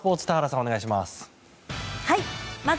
お願いします。